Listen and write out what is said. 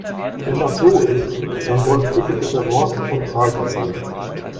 Wenn das so ist, dann soll Fricke bitte Ross und Reiter nennen.